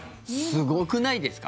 すごくないですか？